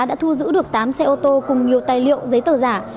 đã thu giữ được tám xe ô tô cùng nhiều tài liệu giấy tờ giả